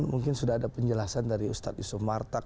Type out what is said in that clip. mungkin sudah ada penjelasan dari ustadz yusuf martak